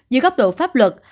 giữa góc độ pháp luật